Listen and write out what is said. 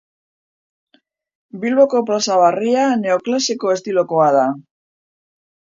Bilboko Plaza Barria neoklasiko estilokoa da.